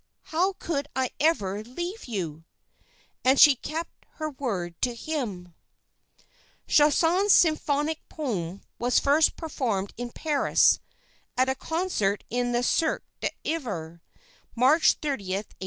How could I ever leave you?' "And she kept her word to him." Chausson's symphonic poem was first performed in Paris (at a concert in the Cirque d'Hiver), March 30, 1884.